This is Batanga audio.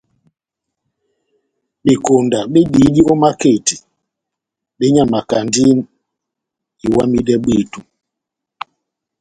Bekonda bediyidi ó maketi benyamakandi iwamidɛ bwíto.